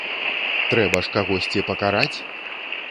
Трэба ж кагосьці пакараць!